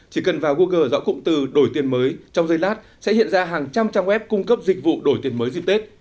chỉ cần vào google dõi cụm từ đổi tiền mới trong dây lát sẽ hiện ra hàng trăm trang web cung cấp dịch vụ đổi tiền mới dịp tết